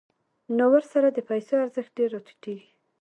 نو ورسره د پیسو ارزښت ډېر راټیټېږي